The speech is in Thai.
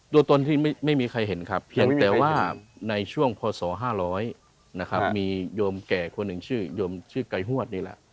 ตนที่ไม่มีใครเห็นครับเพียงแต่ว่าในช่วงพศ๕๐๐นะครับมีโยมแก่คนหนึ่งชื่อโยมชื่อไก่ฮวดนี่แหละ